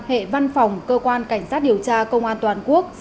hệ văn phòng cơ quan cảnh sát điều tra công an toàn quốc